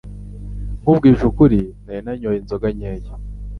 Nkubwije ukuri, nari nanyoye inzoga nkeya.